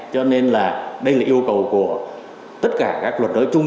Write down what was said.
cho nên là đây là yêu cầu của tất cả các luật đối chung